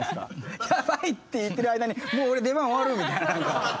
やばいって言ってる間にもう俺出番終わるみたいな何か。